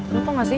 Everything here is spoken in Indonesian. lu tau gak sih